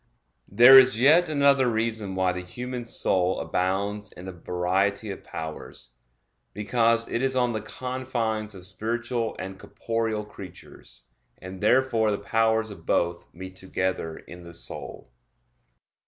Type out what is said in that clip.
There is yet another reason why the human soul abounds in a variety of powers because it is on the confines of spiritual and corporeal creatures; and therefore the powers of both meet together in the soul.